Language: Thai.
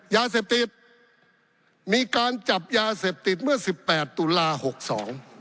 ยาเสพติดมีการจับยาเสพติดเมื่อสิบแปดตุลาหกสอง